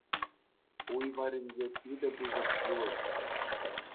Уй варринче — питӗ пысӑк йывӑҫ.